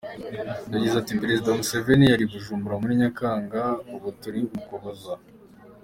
Yagize ati “Perezida Museveni yari i Bujumbura muri Nyakanga, ubu turi mu Ukuboza.